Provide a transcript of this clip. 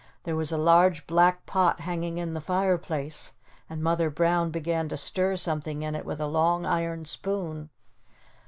There was a large black pot hanging in the fireplace and Mother Brown began to stir something in it with a long iron spoon.